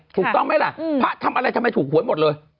ถูกต้องไหมล่ะพระทำอะไรทำไมถูกหวยหมดเลย